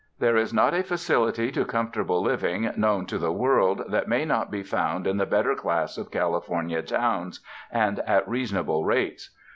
There is not a facilit}^ to comfortable living known to the world that may not be found in the better class of California towns, and at rea sonable rates.